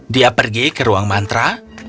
dia pergi ke ruang mantra